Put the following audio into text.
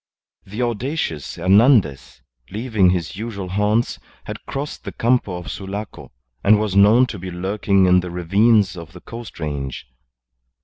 The audacious Hernandez, leaving his usual haunts, had crossed the Campo of Sulaco, and was known to be lurking in the ravines of the coast range.